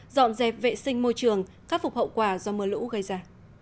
dọn dẹp vệ sinh môi trường khắc phục hậu quả do mưa lũ gây ra